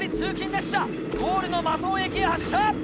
列車ゴールの間藤駅へ発車。